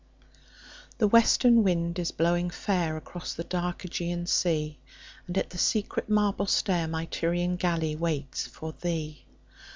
THE WESTERN wind is blowing fairAcross the dark Ægean sea, And at the secret marble stairMy Tyrian galley waits for thee.